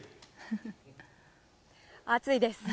暑いです。